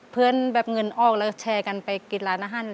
แบบเงินออกแล้วแชร์กันไปกินร้านอาหาร